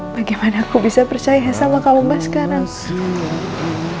bagaimana aku bisa percaya sama kamu sekarang